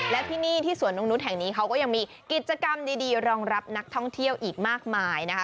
และที่นี่ที่สวนนกนุษย์แห่งนี้เขาก็ยังมีกิจกรรมดีรองรับนักท่องเที่ยวอีกมากมายนะคะ